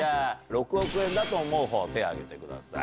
６億円だと思う方手挙げてください。